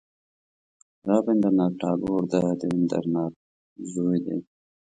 رابندر ناته ټاګور د دیو ندر ناته زوی دی.